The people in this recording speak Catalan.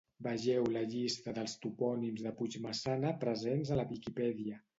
Vegeu la llista dels Topònims de Puigmaçana presents a la Viquipèdia.